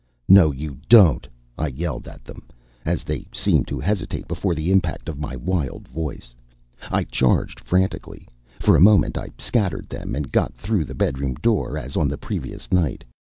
"No, you don't!" I yelled at them. As they seemed to hesitate before the impact of my wild voice, I charged frantically. For a moment I scattered them and got through the bedroom door, as on the previous night.